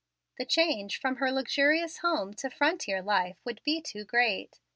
The change from her luxurious home to frontier life would be too great.